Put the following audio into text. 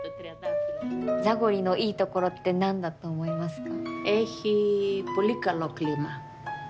ザゴリのいいところって何だと思いますか？